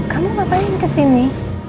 kamu ngapain kesini